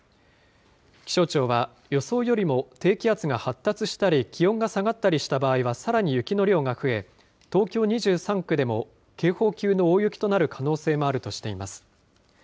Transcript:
気象庁は予想よりも低気圧が発達したり、気温が下がったりした場合は、さらに雪の量が増え、東京２３区でも警報級の大雪となる可能性もあるとしています。